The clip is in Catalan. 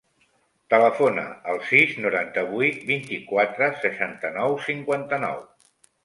Telefona al sis, noranta-vuit, vint-i-quatre, seixanta-nou, cinquanta-nou.